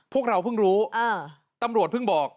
พวกเราเพิ่งรู้ตำรวจเพิ่งบอก